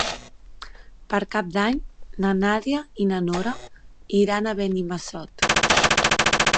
Per Cap d'Any na Nàdia i na Nora iran a Benimassot.